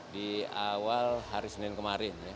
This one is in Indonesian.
di awal hari senin kemarin